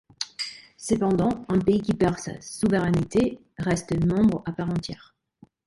Cependant un pays qui perd sa souveraineté reste membre à part entière.